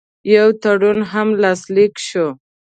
یو تړون هم لاسلیک شو.